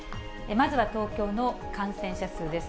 まずは東京の感染者数です。